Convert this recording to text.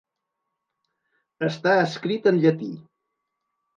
Està escrit en llatí.